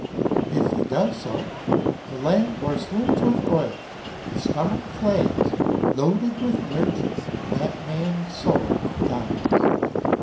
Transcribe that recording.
If he does so. The lamp o'erswims with oil, the stomach flags, Loaded with nurture, and that man's soul dies.